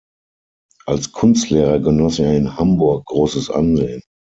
Als Kunstlehrer genoss er in Hamburg großes Ansehen.